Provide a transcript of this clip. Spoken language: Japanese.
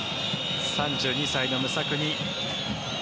３２歳のムサクニ。